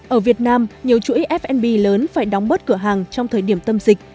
ở việt nam nhiều chuỗi f b lớn phải đóng bớt cửa hàng trong thời điểm tâm dịch